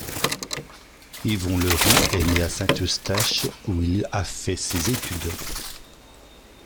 Yvon Leroux est né à Saint-Eustache où il a fait ses études.